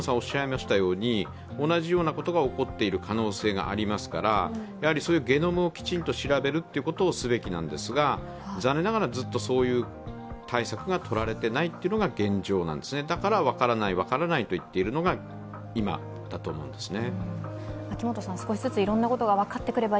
同じようなことが起こっている可能性がありますからゲノムをきちんと調べることをすべきなんですが、残念ながらずっとそういう対策を取られていないというのが現状ですだから分からない、分からない言ってるのが現状なんですね。